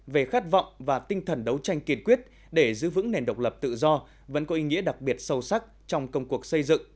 về khát vọng và tinh thần đấu tranh kiên quyết để giữ vững nền độc lập tự do vẫn có ý nghĩa đặc biệt sâu sắc trong công cuộc xây dựng